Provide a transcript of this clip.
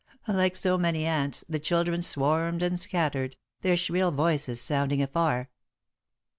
Like so many ants, the children swarmed and scattered, their shrill voices sounding afar.